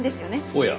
おや。